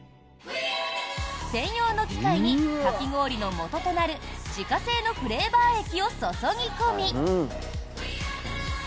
専用の機械にかき氷のもととなる自家製のフレーバー液を注ぎ込み。